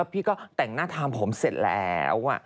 พี่ก็แต่งหน้าทำผมเสร็จแล้ว